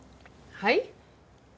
はい？